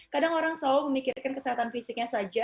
kadang orang selalu memikirkan kesehatan fisiknya saja